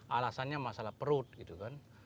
alasannya masalah perut gitu kan